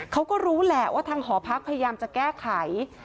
เขาก็รู้แหละว่าทางหอพักพยายามจะแก้ไข